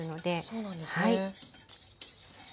そうなんですね。